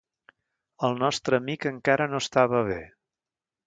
El nostre amic encara no estava bé.